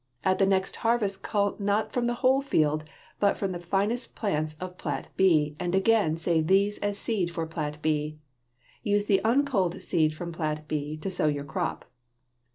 At the next harvest cull not from the whole field but from the finest plants of plat B, and again save these as seed for plat B. Use the unculled seed from plat B to sow your crop.